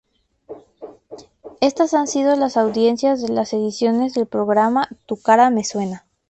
Estas han sido las audiencias de las ediciones del programa "Tu cara me suena".